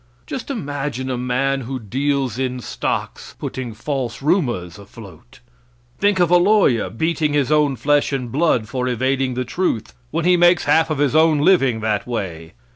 Just imagine a man who deals in stocks putting false rumors afloat! Think of a lawyer beating his own flesh and blood for evading the truth, when he makes half of his own living that way!